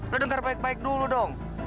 lu denger baik baik dulu dong